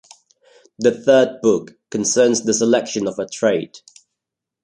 The third book concerns the selection of a trade.